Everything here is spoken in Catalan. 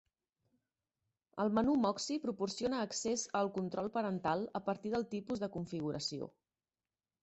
El menú Moxi proporciona accés al control parental a partir del tipus de configuració.